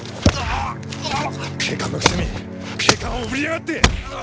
警官のくせに警官を売りやがって！